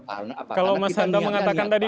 anak anak kalau mas handa mengatakan tadi